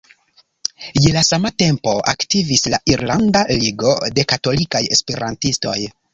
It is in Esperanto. Je la sama tempo aktivis la "Irlanda Ligo de Katolikaj Esperantistoj".